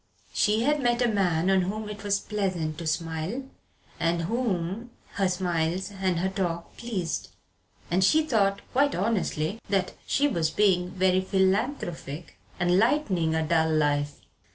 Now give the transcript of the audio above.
She had met a man on whom it was pleasant to smile, and whom her smiles and her talk pleased. And she thought, quite honestly, that she was being very philanthropic and lightening a dull life.